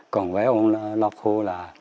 còn với ông lọc hô là